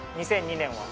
２００２年は。